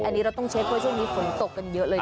อันนี้เราต้องเช็คเพื่อจะไม่มีฝนตกกันเยอะเลย